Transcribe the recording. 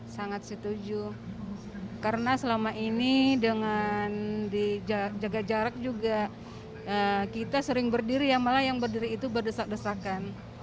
sangat setuju karena selama ini dengan dijaga jarak juga kita sering berdiri ya malah yang berdiri itu berdesak desakan